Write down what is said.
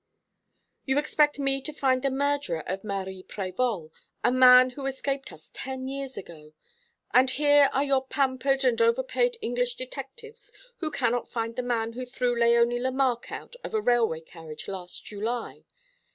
"You expect me to find the murderer of Marie Prévol, a man who escaped us ten years ago; and here are your pampered and over paid English detectives who cannot find the man who threw Léonie Lemarque out of a railway carriage last July.